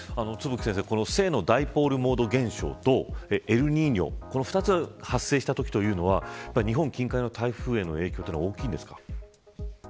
正のダイポールモード現象とエルニーニョ二つ発生したときは日本近海の台風への影響は大きいんですか。